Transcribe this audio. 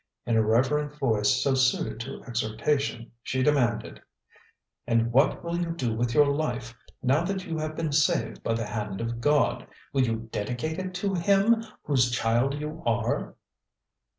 In her reverent voice, so suited to exhortation, she demanded: "And what will you do with your life, now that you have been saved by the hand of God? Will you dedicate it to Him, whose child you are?"